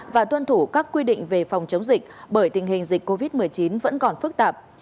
và tuân thủ các quy định về phòng chống dịch bởi tình hình dịch covid một mươi chín vẫn còn phức tạp